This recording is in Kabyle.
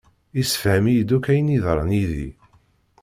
Yessefhem-iyi-d akk ayen yeḍran yid-i.